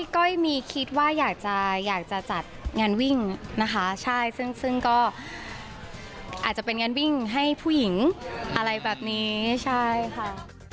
ก้อยมีคิดว่าอยากจะอยากจะจัดงานวิ่งนะคะใช่ซึ่งก็อาจจะเป็นงานวิ่งให้ผู้หญิงอะไรแบบนี้ใช่ค่ะ